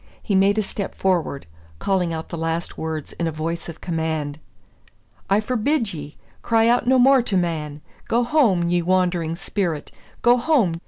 He made a step forward, calling out the last words in a voice of command. "I forbid ye! Cry out no more to man. Go home, ye wandering spirit! go home!